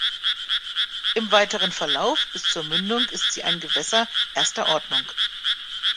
Im weiteren Verlauf bis zur Mündung ist sie ein Gewässer erster Ordnung.